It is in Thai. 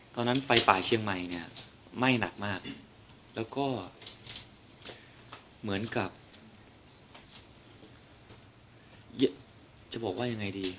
ไฟป่าเชียงใหม่เนี่ยไหม้หนักมากแล้วก็เหมือนกับจะบอกว่ายังไงดี